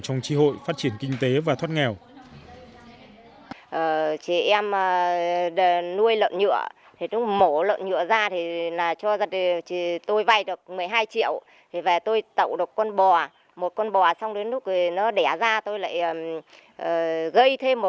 trong tri hội phát triển kinh tế và thoát nghèo